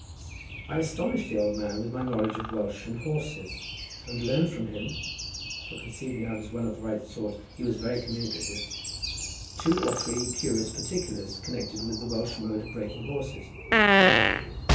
I astonished the old man with my knowledge of Welsh and horses, and learned from him, for conceiving I was one of the right sort, he was very communicative, two or three curious particulars connected with the Welsh mode of breaking horses.